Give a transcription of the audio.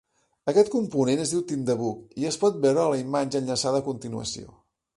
Aquest component es diu thinDebug i es pot veure a la imatge enllaçada a continuació.